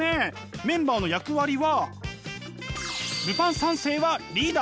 メンバーの役割は。